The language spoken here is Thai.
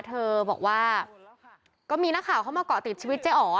เธอบอกว่าก็มีนักข่าวเข้ามาเกาะติดชีวิตเจ๊อ๋อ